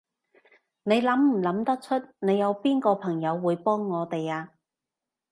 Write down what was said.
你諗唔諗得出，你有邊個朋友會幫我哋啊？